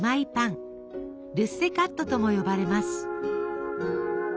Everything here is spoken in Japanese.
「ルッセカット」とも呼ばれます。